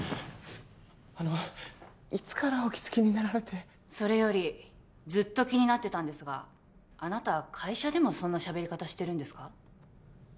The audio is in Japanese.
あのいつからお気づきになられてそれよりずっと気になってたんですがあなた会社でもそんな喋り方してるんですか？